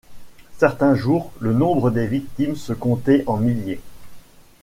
Certains jours, le nombre des victimes se comptait en milliers.